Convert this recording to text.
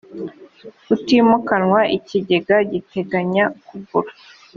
utimukanwa ikigega giteganya kugura